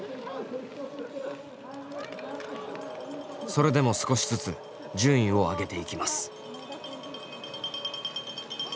それでも少しずつ順位を上げていきます。